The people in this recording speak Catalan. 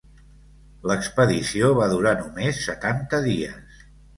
L'expedició va durar només setanta dies.